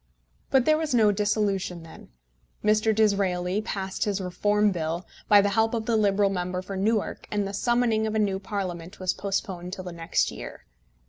But there was no dissolution then. Mr. Disraeli passed his Reform Bill, by the help of the Liberal member for Newark, and the summoning of a new Parliament was postponed till the next year.